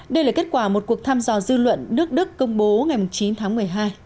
đây là kết quả một cuộc thăm dò dư luận nước đức công bố ngày chín tháng một mươi hai